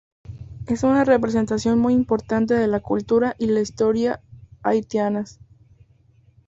Es una representación muy importante de la cultura y la historia haitianas.